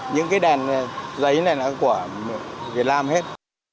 những cái đèn giấy này nó của việt nam hết